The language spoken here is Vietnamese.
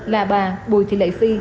là bà bùi thị lệ phi